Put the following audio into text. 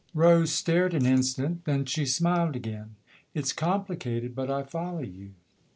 Rose stared an instant ; then she smiled again. " It's complicated, but I follow you